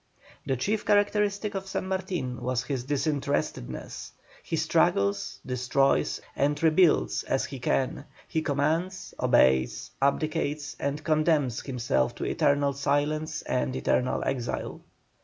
The chief characteristic of San Martin was his disinterestedness. He struggles, destroys, and rebuilds as he can; he commands, obeys, abdicates, and condemns himself to eternal silence and eternal exile.